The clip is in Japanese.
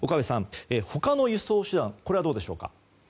他の輸送手段はどうでしょうか？